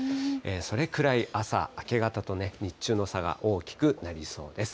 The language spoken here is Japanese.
それくらい朝、明け方と、日中の差が大きくなりそうです。